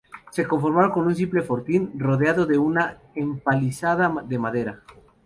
Se conforman con un simple fortín rodeado de una empalizada de madera.